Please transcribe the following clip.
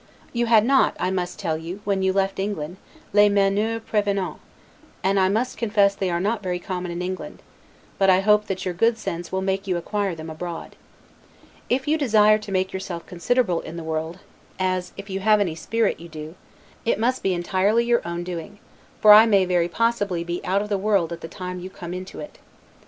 You had not, I must tell you, when you left England, 'les manieres prevenantes'; and I must confess they are not very common in England; but I hope that your good sense will make you acquire them abroad. If you desire to make yourself considerable in the world (as, if you have any spirit, you do), it must be entirely your own doing; for I may very possibly be out of the world at the time you come into it.